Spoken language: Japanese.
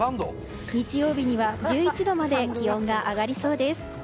日曜日には１１度まで気温が上がりそうです。